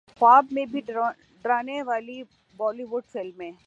خواب میں بھی ڈرانے والی بولی وڈ فلمیں